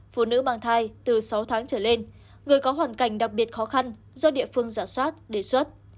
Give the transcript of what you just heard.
phụ nữ mang thai từ sáu tháng trở lên người có hoàn cảnh đặc biệt khó khăn do địa phương giả soát đề xuất